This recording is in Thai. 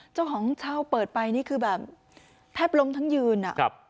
เจ้าของเช่าเปิดไปนี่คือแบบแทบล้มทั้งยืนอ่ะครับ